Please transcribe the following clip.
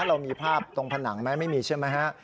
เรามีภาพตรงผนังไหมไม่มีใช่ไหมฮะ